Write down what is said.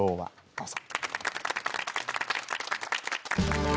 どうぞ。